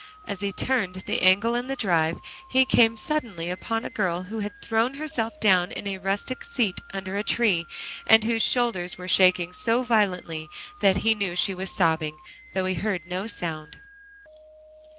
As he turned the angle in the drive, he came suddenly upon a girl who had thrown herself down on a rustic seat under a tree, and whose shoulders were shaking so violently that he knew she was sobbing, though he heard no sound.